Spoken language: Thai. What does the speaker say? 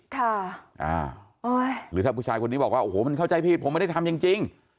ค่ะอ่าหรือถ้าผู้ชายคนนี้บอกว่าโอ้โหมันเข้าใจผิดผมไม่ได้ทำจริง